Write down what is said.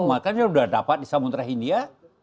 mereka sudah dapat di samudera india